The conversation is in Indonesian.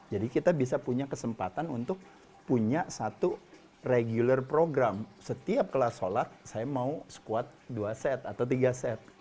jadi kita bisa punya kesempatan untuk punya satu regular program setiap kelas sholat saya mau squat dua set atau tiga set